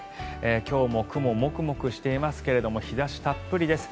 今日も雲、モクモクしていますが日差したっぷりです。